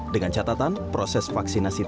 dengan catatan proses vaksinasi